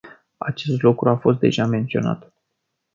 Acest lucru a fost deja menționat.